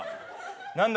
何だ